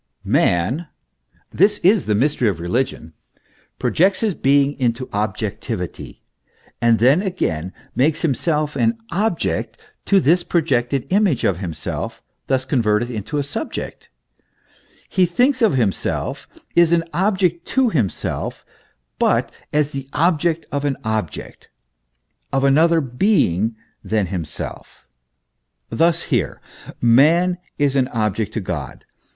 Man this is the mystery of religion projects his being into objectivity,* and then again makes himself an object to this projected image of himself thus converted into a subject; he thinks of himself, is an object to himself, but as the object of an object, of another being than himself. Thus here. Alan is an object to God.